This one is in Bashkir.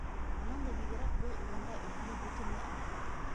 Унан да бигерәк, был урында Өлгө бөтөнләй артыҡ ине.